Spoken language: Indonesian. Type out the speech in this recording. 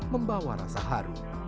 membawa rasa haru